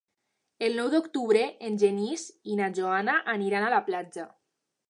El nou d'octubre en Genís i na Joana aniran a la platja.